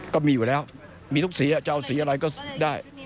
ก็มีอยู่แล้วมีทุกสีจะเอาสีอะไรก็ได้